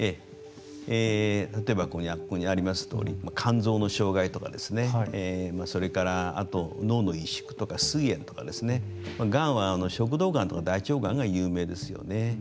例えば、ここにありますとおり肝臓の障害とかそれからあと脳の萎縮とかすい炎とかですね。がんは食道がんとか大腸がんが有名ですよね。